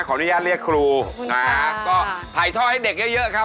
ขออนุญาตเรียกครูนะครับก็ถ่ายท่อให้เด็กเยอะครับ